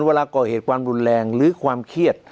เวลาก่อเหตุความรุนแรงหรือความเครียด